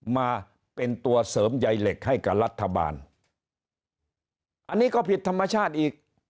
มาเป็นตัวเสริมใยเหล็กให้กับรัฐบาลอันนี้ก็ผิดธรรมชาติอีก